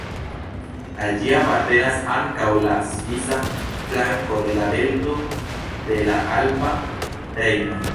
Al ĝi apartenas ankaŭ la svisa flanko de la delto de la Alpa Rejno.